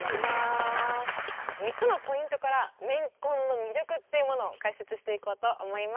３つのポイントから「メンコン」の魅力っていうものを解説していこうと思います。